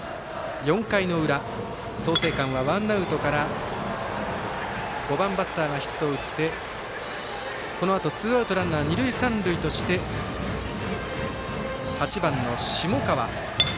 ４回の裏、創成館はワンアウトから５番バッターがヒットを打ってこのあとツーアウトランナー、二塁三塁として８番の下川。